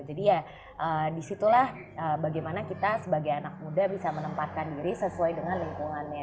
jadi ya disitulah bagaimana kita sebagai anak muda bisa menempatkan diri sesuai dengan lingkungannya